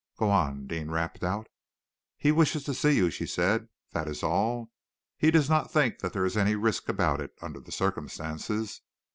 "Go on," Deane rapped out. "He wishes to see you," she said. "That is all. He does not think that there is any risk about it, under the circumstances.